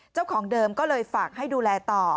เจ้าของเดิมก็เลยฝากให้ดูแลต่อ